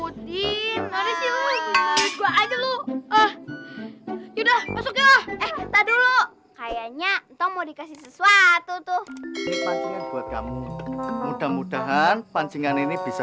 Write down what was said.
udah masuk yuk dulu kayaknya mau dikasih sesuatu tuh buat kamu mudah mudahan pancingan ini bisa